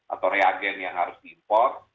atau reagen yang harus diimport